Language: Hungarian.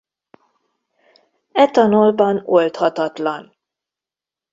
Etanolban oldhatatlan.